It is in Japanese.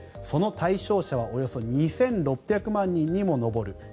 その対象者はおよそ２６００万人にも上る。